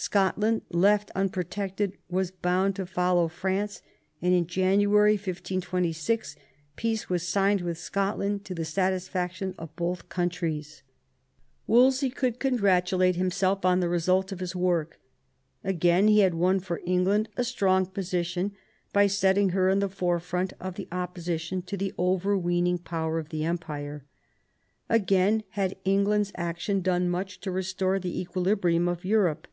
Scotland, left unprotected, was bound to follow France, and in January 1526 peace was signed with Scotland to the satisfaction of both countries. Wolsey could congratulate himself on the result of his work. Again he had won for England a strong position, by setting her in the forefront of the opposition to the overweening power of the empire. Again had England's action done much to restore the equilibrium of Europe.